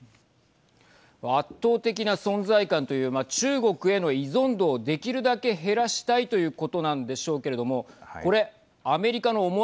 圧倒的な存在感という中国への依存度をできるだけ減らしたいということなんでしょうけれどもはい。